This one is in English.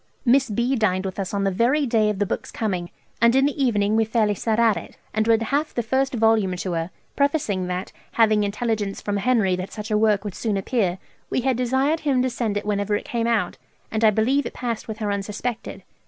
Miss B. dined with us on the very day of the book's coming, and in the evening we fairly set at it, and read half the first vol. to her, prefacing that, having intelligence from Henry that such a work would soon appear, we had desired him to send it whenever it came out, and I believe it passed with her unsuspected.